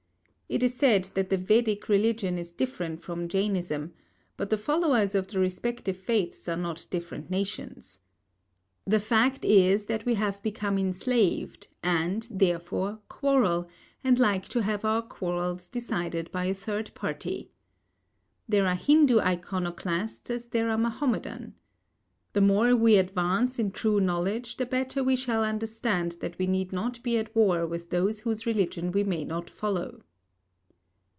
It is said that the Vedic religion is different from Jainism, but the followers of the respective faiths are not different nations. The fact is that we have become enslaved, and, therefore, quarrel and like to have our quarrels decided by a third party. There are Hindu iconoclasts as there are Mahomedan. The more we advance in true knowledge, the better we shall understand that we need not be at war with those whose religion we may not follow.